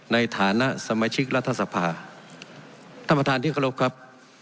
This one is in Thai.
ในฐานะสมาชิกรัฐสภาท่านประธานที่เคารพครับ